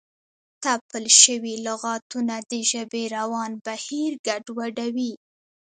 تپل شوي لغتونه د ژبې روان بهیر ګډوډوي.